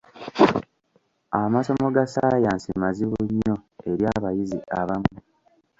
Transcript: Amasomo ga ssaayansi mazibu nnyo eri abayizi abamu.